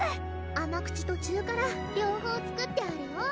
甘口と中辛両方作ってあるよ